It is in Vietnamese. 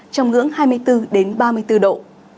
trong ngưỡng hai mươi bốn ba mươi tám độ